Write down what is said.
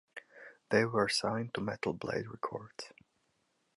They were signed to Metal Blade Records.